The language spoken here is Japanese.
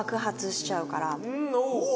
お！